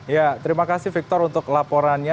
ya terima kasih victor untuk laporannya